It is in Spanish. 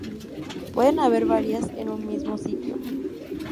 Pueden haber varias en un mismo sitio